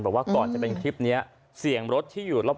บอกว่าก่อนจะเป็นคลิปนี้เสียงรถที่อยู่รอบ